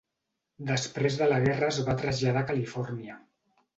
Després de la guerra es va traslladar a Califòrnia.